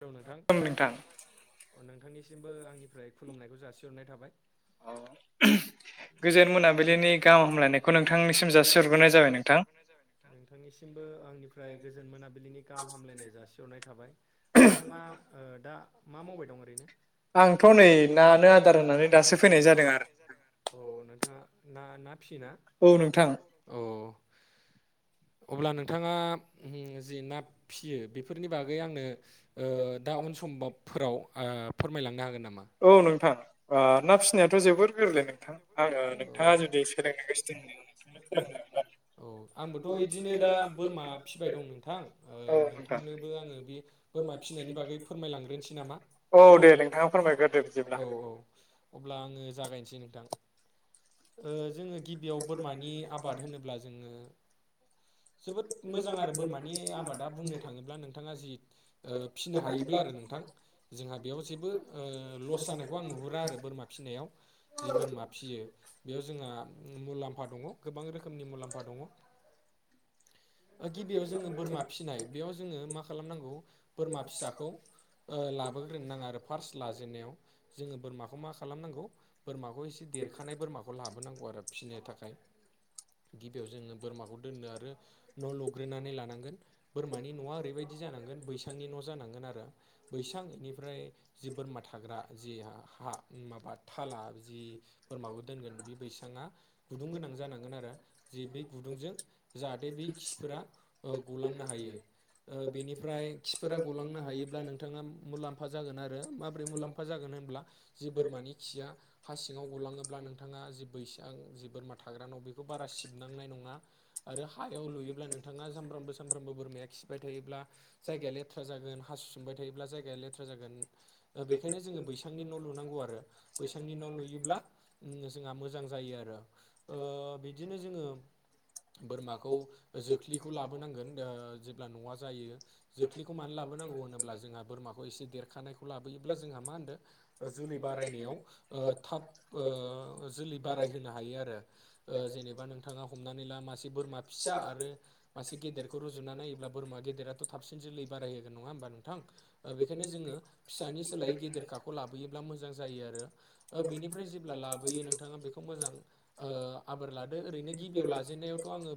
हेल' नोंथां नोंथांनिसिमबो आंनिफ्राय खुलुमनायखौ जासिहरनाय थाबाय औ गोजोन मोनाबिलिनि गाहाम हामलायनायखौ नोंथांनिसिम जा सग्रोनाय जाबाय नोंथां नोंथांनिसिमबो आंनिफ्राय गोजोन मोनाबिलिनि गाहाम हामलायनाय जासिहरनाय थाबाय नोंथाङा दा मा मावबाय दं ओरैनो आंथ' नै नानो आदार होनानै दासो फैनाय जादों आरो नोंथां। औ नोंथाङा ना ना फियो ना? औ नोंथां। औ अब्ला नोंथाङा ओम जि ना फियो बेफोरनि बागै आंनो ओ दा उन समबाबफोराव फोरमायलांनो हागोन नामा? औ नोंथां ना ओ फिसिनायाथ जोबोर गोरलै नोंथां। आङो नोंथाङा जुदि सोलोंनो गोसो दं [inaudible] फोरोंनो हागोन आरो। औ आंबोथ इदिनो दा बोरमा फिबाय दं नोंथां ओ नोंथांनोबो आङो बे बोरमा फिनायनि बागै फोरमायलांग्रोनसै नामा औ दे दे औ दे। औ औ अब्ला आङो जागायनसै नोंथां। ओ जोङो गिबियाव बोरमानि आबाद होनोब्ला जोङो जोबोद मोजां आरो बोरमानि आबादा बुंनो थाङोब्ला नोंथाङा जि ओ फिनो हायोब्ला आरो नोंथां जोंहा बेयाव जेबो ओ लस जानायखौ आं नुहुरा आरो बोरमा फिनायाव जि बोरमा फियो बेयाव जोंहा मुलाम्फा दङ गोबां रोखोमनि मुलाम फा दङ ओ गिबियाव जोङो बोरमा फिनाय बेयाव जोङो मा खालामनांगौ बोरमा फिसाखौ ओ लाबोग्रोनो नाङा आरो फार्स्ट लाजेननायाव जोङो बोरमाखौ मा खालामनांगौ बोरमाखौ एसे देरखानाय बोरमाखौ लाबोनांगौ आरो फिनो थाखाय गिबियाव जोङो बोरमाखौ दोननो आरो न' लुग्रोनानै लानांगोन बोरमानि न'आ ओरैबायदि जानांगोन बैसांनि न जानांगोन आरो बैसां इनिफ्राय जि बोरमा थाग्रा जि हा माबा थाला जि बोरमाखौ दोनगोन बे बैसाङा गुदुं गोनां जानांगोन आरो जे बे गुदुंजों जाहाथे बेै खिफोरा ओ गलांनो हायो ओ बेनिफ्राय खिफोरा गलांनो हायोब्ला नोंथाङा मुलाम्फ फा जागोन आरो माब्रै मुलाम्फा जागोन होनब्ला जि बोरमानि खिया हा सिङाव गलाङोब्ला नोंथाङा जि बैसां जि बोरमा थाग्रा न' बेखौ बारा सिब नांनाय नङा आरो हायाव लुयोब्ला नोंथाङा सामफ्रामबो सामफ्रामबो बोरमाया खिबाय थायोब्ला जायगाया लेथ्रा जागोन हासु सोमबाय थायोब्ला जायगाया लेथ्रा जागोन ओ बेखायनो जोङो बैसांनि न' लुनांगौ आरो बैसांनि न' लुयोब्ला ओम‌ जोंहा मोजां जायो आरो ओ बिदिनो जोङो बोरमा खौ जोख्लिखौ लाबोनांगोन ओ जेब्ला न'आ जायो जोख्लिखौ मानो लाबोनांगौ होनोब्ला जोंहा बोरमाखौ एसे देरखानायखौ लाबोयोब्ला जोंहा मा होनदो ओ जोलै बारायनायाव ओ थाब ओ जोलै बारायहोनो हायो आरो ओ जेनेबा नोंथाङा हमनानै ला मासे बोरमा फिसा आरो मासे गेदेरखौ रुजुना नायोब्ला बोरमा गेदेराथ थाबसिनस जोलै बारायहोगोन नङा होमबा नोंथां? ओ बेखायनो जोङो फिसानि सोलायै गेदेरखाखौ लाबोयोब्ला मोजां जायो आरो ओ बेनिफ्राय जेब्ला लाबोयो नोंथाङा बेखौ मोजां ओ आबार लादो ओरैनो गिबियाव लाजेननायावथ आङो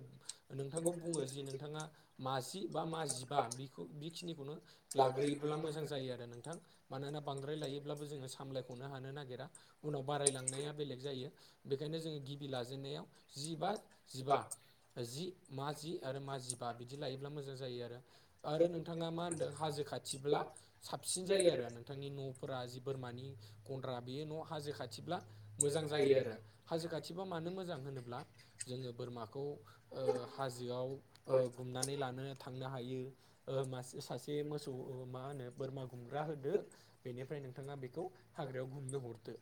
नोंथांखौ बुङो जि नोंथाङा माजि बा मा जिबा बेखौ बेखिनि खौनो लाग्रोयोब्ला मोजां जायो आरो नोंथां मानोना बांद्राय लायोब्लाबो जोङो सामलायख'नो हानो नागिरा उनाव बारायलांनाया बेलेग जायो बेखायनो जोङो गिबि लाजेनन्नायाव जिबा जिबा जि मा जि आरो मा जिबा बिदि लायोब्ला मोजां जायो आरो आरो नोंथाङा मा होनदों हाजो खाथिब्ला साबसिन जायो आरो नोंथांनि नफोरा जि बोरमानि गन्द्रा बेयो न' हाजो खा थिब्ला मोजां जायो आरो हाजो खाथिबा मानो मोजां होनोब्ला जोङो बोरमाखौ ओ हाजोआव ओ गुमनानै लानो थांनो हायो ओ मासे सासे मोसौ मा होनो बोरमा गुमग्रा होदो बेनिफ्राय नोंथाङा बेखौ हाग्रायाव गुमनो हरदो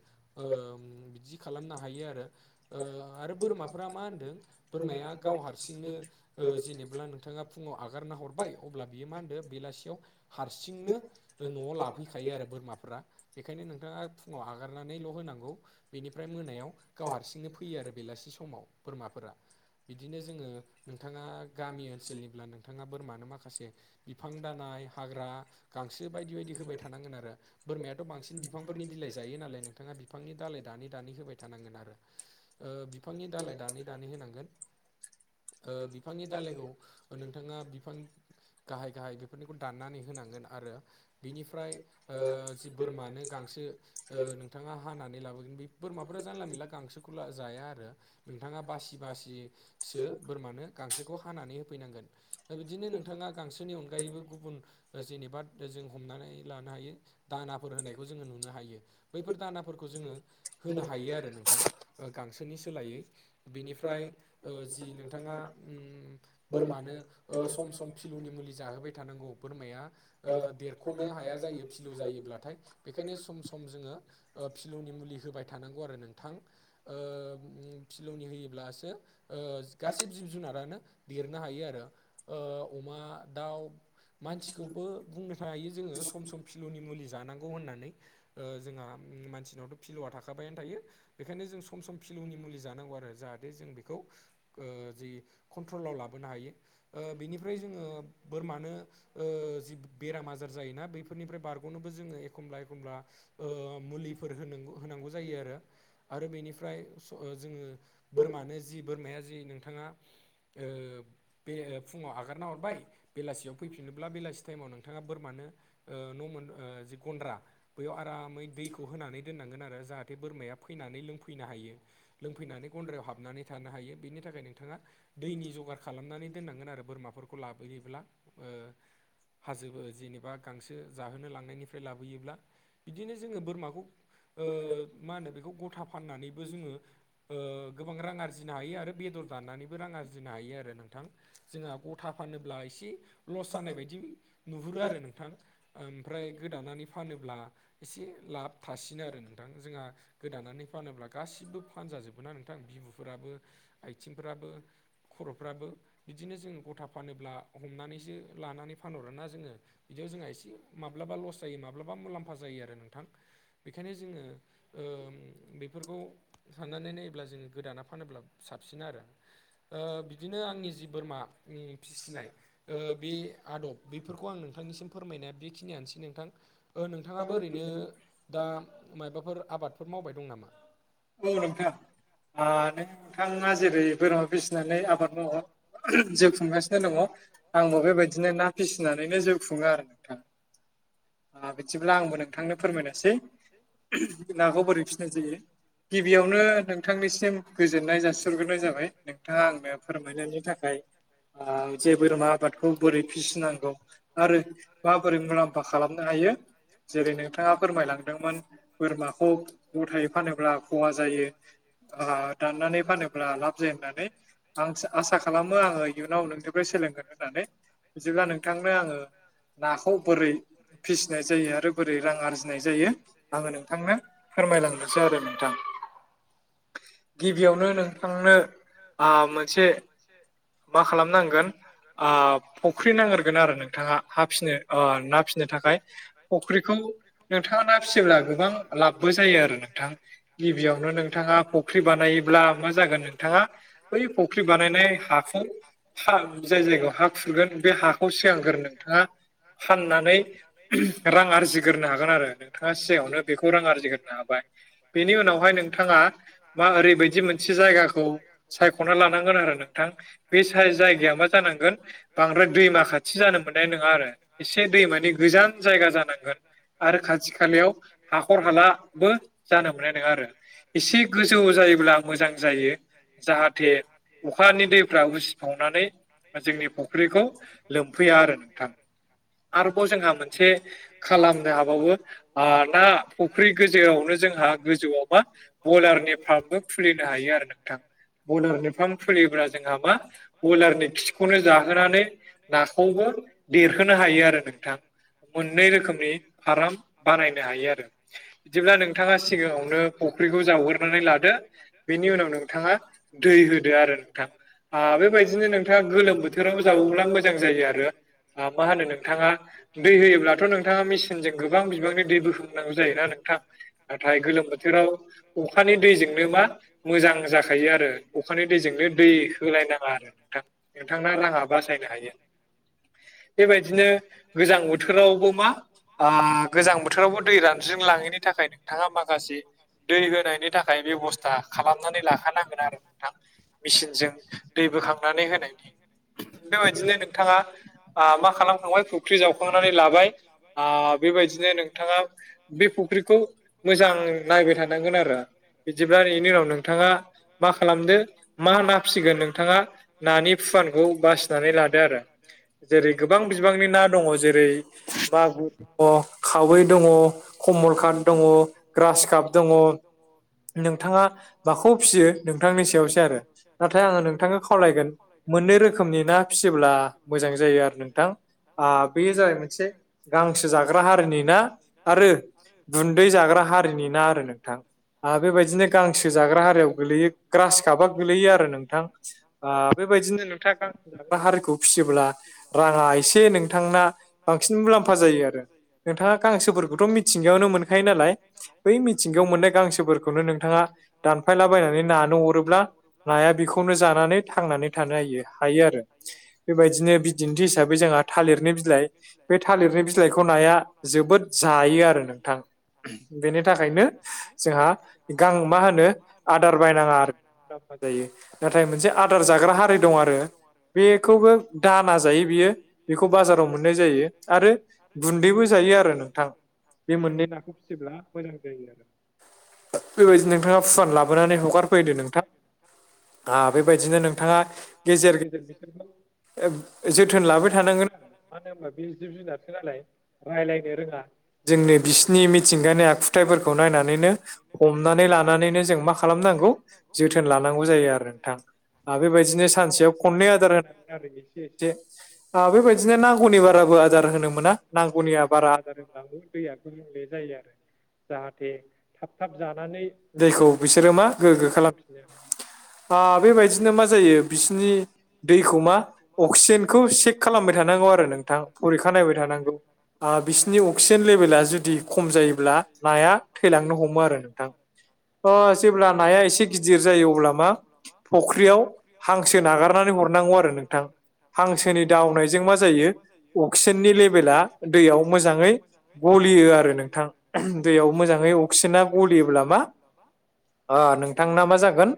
ओम बिदि खालामनो हायो आरो ओ आरो बोरमा फोरा मा होन्दों बोरमाया गाव हारसिंनो ओ जेनेब्ला नोंथाङा फुङाव आगारना हरबाय अब्ला बियो मा होनदो बेलासियाव हारसिंनो न'आव लाफैखायो आरो बोरमाफ बेखायनो नोंथाङा फुङाव हगारनानैल' होनांगौ बेनिफ्राय मोनायाव गाव हारसिंनो फैयो आरो बेलासि समाव बोरमाफोरा बिदिनो जोङो नोंथाङा गामि ओनसोलनिब्ला नोंथाङा बोरमानो माखासे बिफां दानाय हाग्रा गांसो बायदि बायदि होबाय थानांगोन आरो बोरमायाथ' बांसिन बिफांफोरनि बिलाइ जायो नालाय नोंथाङा बि फांनि दालइ दानै दानै होबाय थानांगोन आरो ओ बिफांनि दालाय दानै दानै होनांगोन ओ बिफांनि दालाइखौ नोंथाङा बिफां गाहाय गाहाय बेफोरनिखौ दाननानै होनांगोन आरो बिनिफ्राय ओ जि बोरमानो गांसो ओ नोंथाङा हानानै लाबोगोन बे बोरमाफोरा जानला मोनला गांसोखौ ला जाया आरो नोंथाङा बासि बासिसो बोरमानो गांसोखौ हानानै होफैनांगोन। बिदिनो नोंथाङा गांसोनि अनगायैबो गुबुन जेनेबा जों हमनानै लानो हायो दानाफोर होनायखौ जोङो नुनो हायो बैफोर दानाफोरखौ जोङो होनो हायो आरो नोंथां गांसोनि सोलायै बिनिफ्राय ओ जि नोंथाङा उम बोरमानो ओ सम सम फिलौनि मुलि जाहोबाय थानांगौ बोरमाया ओ देरख'नो हाया जायो फिलौ जायोब्लाथाय बेखायनो सम सम जोङो ओ फिलौनि मुलि होबाय थानांगौ आरो नोंथां ओ फिलौनि होयोब्लासो ओ गासै जिब जुनारानो देरनो हायो आरो ओ अमा दाउ मानसिखौबो बुंनो थायो जोङो सम सम फिल'नि मुलि जानांगौ होननानै ओ जोंहा मानसिनावथ' फिलौआ थाखाबायानो थायो बेखायनो जों सम सम फिलौनि मुलि जानांगौ आरो जाहाथे जों बेखौ जि कन्ट्रलाव लाबोनो हायो। ओ बिनिफ्राय जोङो बोरमानो ओ जि बेराम आजार जायोना बैफोरनिफ्राय बारग'नोबो जोङो एखमब्ला एखमब्ला ओ मुलिफोर होनो होनांगौ जायो आरो आरो बेनिफ्राय जोङो बोरमानो जि बोरमाया जि नोंथाङा ओ बे फुङाव आगारना हरबाय बेलासियाव फैफिनोब्ला बेलासि टाइमाव नोंथाङा बोरमानो ओ न' मोन ओ जि गन्द्रा बैयाव आरामै दैखौ होनानै दोननांगोन आरो जाहाथे बोरमाया फैनानै लोंफैनो हायो। लोंफैनानै गन्द्रायाव हाबनानै थानो हायो बेनि थाखाय नोंथाङा दैनि जगार खालामनानै दोननांगोन आरो बोरमाफोरखौ लाबोयोब्ला ओ हाजोबो जेनेबा गांसो जाहोनो लांनायनिफ्राय लाबोयोब्ला बिदिनो जोङो बोरमाखौ ओ मा होनो बेखौ गथा फाननानैबो जोङो गोबां रां आरजिनो हायो आरो बेदर दाननानैबो रां आरजिनो हायो आरो नोंथां जोंहा गथा फानोब्ला एसे लस जानाय बायदि नुहुरो आरो नोंथां। ओमफ्राय गोदानानै फानोब्ला एसे लाब थासिनो आरो नोंथां जोंहा गोदानानै फानोब्ला गासिबो फानजाजोबोना नोंथां बिबुफोराबो आइथिंफोराबो। खर'फ्राबो बिदिनो जोङो गथा फानोब्ला हमनानैसो लानानै फानहरोना जोङो। बिदियाव जोंहा एसे माब्लाबा लस जायो माब्लाबा मुलाम्फा जायो आरो नोंथां। बेखायनो जोङो ओम बेफोरखौ साननानै नायोब्ला जोङो गोदाना फानोब्ला साबसिन आरो ओ बिदिनो आंनि जि बोरमानि फिसिनाय ओ बे आदब बेफोरखौ आं नोंथांनिसिम फोरमायनाया बेखिनियानोसै नोंथां। ओ नोंथाङाबो ओरैनो दा माबाफोर आबादफोर मावबाय दं नामा? औ नोंथां आ नोंथाङा जेरै बोरमा फिसिनानै आबाद मावो जिउ खुंगासिनो दङ आंबो बेबायदिनो ना फिसिनानैनो जिउ खुङो आरो नोंथां। आ बिदिब्ला आंबो नोंथांनो फोरमायनोसै नाखौ बोरै फिनाय जायो। गिबियावनो नोंथांनिसिम गोजोननाय जासिहरग्रोनाय जाबाय नों नोंथाङा आंनो फोरमायनायनि थाखाय आ जे बोरमा आबादखौ बोरै फिसिनांगौ आरो माबोरै मुलाम्फा खालामनो हायो। जेरै नोंथाङा फोरमायलांदोंमोन बोरमाखौ गथायै फानोब्ला खहा जायो। आ दाननानै फानोब्ला लाब जायो होननानै। आं आसा खालामो आङो इयुनाव नोंनिफ्राय सोलोंगोन होननानै बिदिब्ला नोंथांनो आङो नाखौ बोरै फिसिनाय जायो आरो बोरै रां आरजिनाय जायो आङो नोंथांनो फोरमायलांनोसै आरो नोंथां। गिबियावनो नोंथांनो आ मोन आ मोनसे मा खालामनांगोन आ फख्रि नांग्रोगोन आरो नोंथाङा हा फिनो आ ना फिनो थाखाय फख्रिखौ नोंथाङा ना फिसिब्ला गोबां लाबबो जायो आरो नोंथां गिबियावनो नोंथाङा बा फख्रि बानायोब्ला मा जागोन‌ नोंथाङा बै फख्रि बानायनाय हाखौ हा जाय जायगायाव हा [inaudible] आरो बेखौ रां [unintelligible] बेनि उनावहाय नोंथाङा मा ओरैबायदि से जायगाखौ खना लानांगोन आरो नोंथां बे साय जायगाया मा जानांगोन ओमफ्राय दैमा खाथि जानो मोननाय नङा आरो एसे दैमानि गोजान जायगा जानांगोन। आरो खाथि खालायाव हाखर हालाबो जानो मोननाय नङा आरो एसे गोजौ जायोब्ला मोजां जायो। बे अखानि दैफ्रा उसिफावनानै जोंनि फख फख्रिखौ लोमफैया आरो नोंथां। आरोबाव जोंहा मोनसे खालामनो हाबावो ओ ना फुख्रि गोजायावनो जोंहा गोजौआवबा बयलारनि फार्मबो खुलिनो हायो आरो नों थां बयलारनि फार्म खुलियोब्ला जोंहा मा बयलारनि खिखौनो जा जाहोनानै नाखौ देरहोनो हायो आरो। मोननै रोखोमनि फार्म बानायनो हायो आरो बिदिब्ला नोंथाङा सिगाङावनो फुख्रिखौ जावगोरनानै लादो। बेनि उनाव नोंथाङा दै होदो आरो नोंथां आ बेबायदिनो नोंथाङा गोलोम बोथ राव जावोब्ला मोजां जायो आरो आ मा होनो नोंथाङा दै होयोब्लाथ' नोंथाङा मेसिनजों गोबां बिबांनि दै बोखांनांगौ जायोना नोंथां। नाथाय गोलोम बोथोराव अखानि दैजोंनो मा मोजां जाखायो आरो। अखानि दैजोंनो दै होलाय नाङा आरो नोंथां। नोंथांना राङा बासायनो हायो बेबायदिनो गोजां बोथोरावबो मा आ गोजां बोथोरावबो दै रानज्रिं लाङैनि थाखाय नोंथाङा माखासे दै होनायनि थाखाय बेब'स्था खालामनानै लाखानांगोन आरो नोंथां। मेसिनजों दै बोखांनानै होनायनि बेबायदिनो नोंथाङा ओ मा खालामखांबाय फुख्रि जावखांनानै लाबाय ओ बेबायदिनो नोंथाङा बे फुख्रिखौ मोजां नायबाय थानांगोन आरो बिदिब्ला बेनि उनाव नोंथाङा मा खालामदो मा ना फिसिगोन नोंथाङा नानि फुवानखौ नानि फुवानखौ बासिनानै लादो आरो जेरै गोबां बिबांनि ना दङ जेरै खावै दङ। खमलखाद दङ ग्रासखाब दङ। नोंथाङा माखौ फिसियो नोंथांनि सायावसो आरो नाथाय आङो नोंथांनो खावलायगोन मोन नै रोखोमनि ना फिसियोब्ला मोजां जायो आरो नोंथां। आ बेयो जाबाय मोनसे गांसो जाग्रा हारिनि ना आरो गुन्दै जाग्रा हारिनि ना आरो नोंथां। आरो बेबायदिनो गांसो जाग्रा हारियाव गोगलैयो ग्रास गाबा गोलैयो आरो नोंथां ओ बेबायदिनो नोंथाङा गांसो जाग्राहारिखौ फिसियोब्ला रांङा एसे नोंथांना बांसिन मुलाम्फा जायो आरो नोंथाङा गांसोफोरखौथ' मिथिंगायावनो मोनखायो नालाय बै मिथिंगायाव मोननाय गांसोफोरखौनो नोंथाङा दानफायलाबायनानै नानो हरोब्ला नाया बेखौनो जानानै थांनानै [unintelligible] हायो आरो बेबायदिनो बिदिन्थि हिसाबै जोंहा थालिरनि बिलाइ बे थालिरनि बिलाइखौ नाया जोबोद जायो आरो नोंथां बेनि थाखायनो जोंहा गां मा होनो आदार बायनाङा आरो [unintelligible] नाथाइ मोनसे आदार जाग्रा हारि दं आरो बेखौबो दामा जायो बियो ज' बाजाराव मोननाय जायो आरो बे ल जायो आरो बे मोननै नाखौ फिसिब्ला मोजां जायो आरो बेबायदि नोंथाङा फुवान लाबोनानै हगारफैदो नोंथां आ बे बादिनो नोंथांङा [unintelligible] [inaudible] जोथोन लाबाय थानांगोन आरो मानो होनबा बे जिब जुनारसो नालाय राय्लायनो रोङा जोंनो बिसिनि मिथिंगानि आखुथायाइफोरखौ नायनानैनो हमनानै लानानैनो जों मा खालाम नांगौ जोथोन लानांगौ जायो आरो नोंथां। आ बे बायदिनो सानसेयाव खननै आदार होनायोन आरो एसे एसे बेबायदिनो नांगौनि बाराबो आदार होनो मोना नांगौनिया बारा आदार होनलाङो दैया गलुंले जायो आरो जाहाथे थाब थाब जानानै दैखौ बिसोरो मा गोग्गो खालाम आ बेबायदिनो मा जायो बिसिनि दैखौ मा अक्सिजेनखौ चेक खालामबाय थानांगौ आरो नोंथां फरिखा नायबाय थानांगौ। बिसिनि अक्सिजेन लेभेला जुदि खम जायोब्ला नाया थैलांनो हमो। [unintelligible] आरो नोंथां अ जेब्ला नाया एसे गिदिर जायो अब्ला मा फुख्रियाव हांसो नागारनानै हरनांगौ आरो हांसोनि दावनायजों मा जायो अक्सिजेननि लेभेला दैयाव मोजाङै गलियो आरो नोंथां दैयाव मोजांङै अक्सिजेना बुलिब्ला मा ओ नोंथांना मा जागोन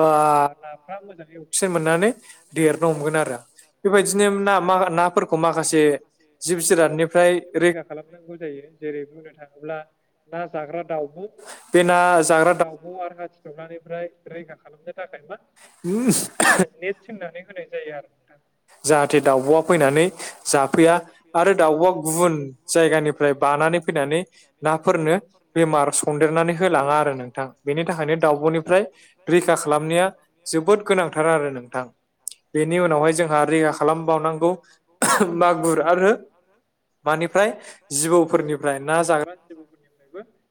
ओ हा मोजाङै एबसे मोननानै देरनो हमगोन आरो बेबायदिनो ना नाफोरखौ माखासे जिब जुनादनिफ्राय रैखा खालामनांगौ जायो। जेरै बुंनो थाङोब्ला ना जाग्रा दाउब' बे ना जाग्रा दाउब' आरो हाथिं बिानिफ्राय रैखा खालामनो थाखाय मा नेट सोंनानै होनाय जायो आरो जाहाथे दाउब'आ फैनानै जाफैया आरो दाउब'आ गुबुन जायगानिफ्राय बानानै लाना नै फैनानै नाफोरनो बेमार सनदेरनानै होलाङा आरो नोंथां बेनि थाखायनो दाउब'निफ्राय रैखा खालामनाया जोबोद गोनांथार आरो नोंथां। बेनि उनावहाय जोंहा रैखा खालामबावनांगौ मागुर आरो मानिफ्राय जिबौफोरनिफ्राय ना जाग्रा जिबौ [inaudible]